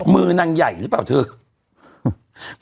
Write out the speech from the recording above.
มือนางใหญ่หรือเปล่าเถอะ